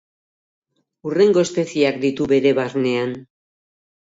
Hurrengo espezieak ditu bere barnean.